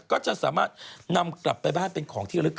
ก็จะสามารถนำกลับไปบ้านเป็นของที่ระลึก